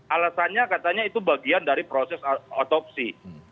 alasannya katanya itu bagian dari proses otopsi